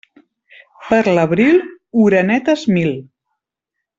Per l'abril, oronetes mil.